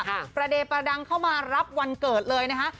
ประเดประดังเข้ามารับวันเกิดเลยนะคะ